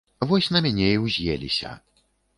Вось на мяне і ўз'еліся.